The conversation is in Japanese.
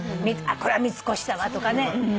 これは三越だわとかね。